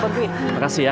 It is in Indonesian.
terima kasih ya